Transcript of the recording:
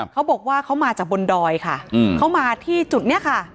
เขาบอกว่าเขามาจากบนดอยค่ะเขามาที่จุดนี้ค่ะ